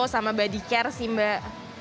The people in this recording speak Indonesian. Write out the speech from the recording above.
sama body care sih mbak